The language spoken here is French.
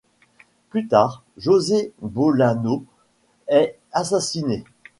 Plus tard, José Bolanos est assassiné.